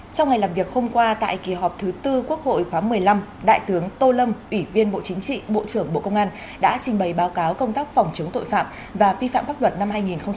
trong ngày làm việc hôm qua tại kỳ họp thứ tư quốc hội khóa một mươi năm đại tướng tô lâm ủy viên bộ chính trị bộ trưởng bộ công an đã trình bày báo cáo công tác phòng chống tội phạm và vi phạm pháp luật năm hai nghìn hai mươi ba